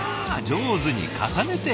上手に重ねて！